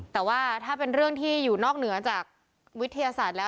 แต่ว่าถ้าเป็นเรื่องที่อยู่นอกเหนือจากวิทยาศาสตร์แล้ว